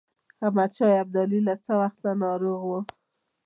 احمدشاه ابدالي له څه وخته ناروغ وو.